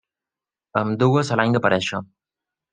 Ambdues a l'any d'aparèixer.